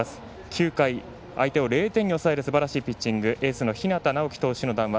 ９回、相手を０点に抑えるすばらしいピッチングのエースの日當直喜投手の談話